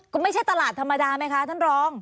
คุณไม่ใช่ตลาดธรรมดาไหมคะท่านรอง